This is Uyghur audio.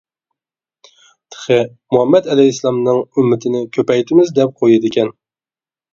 تېخى مۇھەممەد ئەلەيھىسسالامنىڭ ئۈممىتىنى كۆپەيتىمىز دەپ قويىدىكەن.